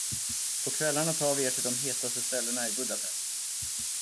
På kvällarna tar vi er till de hetaste ställena i Budapest.